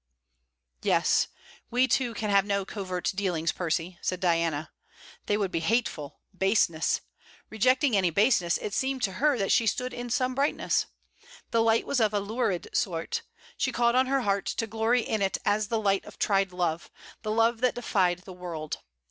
'Yes, we two can have no covert dealings, Percy,' said Diana. They would be hateful baseness! Rejecting any baseness, it seemed to her that she stood in some brightness. The light was of a lurid sort. She called on her heart to glory in it as the light of tried love, the love that defied the world.